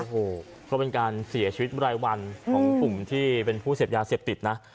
โอ้โหก็เป็นการเสียชีวิตรายวันของกลุ่มที่เป็นผู้เสพยาเสพติดนะ